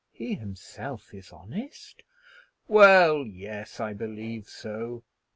"He himself is honest." "Well; yes, I believe so.